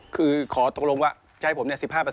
คือขอตกลงว่าจะให้ผม๑๕